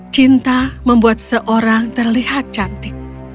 cinta membuat seorang terlihat cantik